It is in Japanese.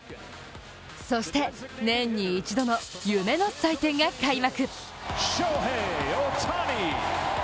そして、年に一度の夢の祭典が開幕。